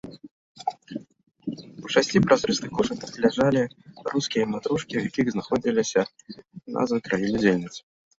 У шасці празрыстых кошыках ляжалі рускія матрошкі, у якіх знаходзіліся назвы краін-удзельніц.